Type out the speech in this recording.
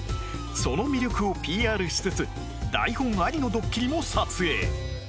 その魅力を ＰＲ しつつ台本ありのどっきりも撮影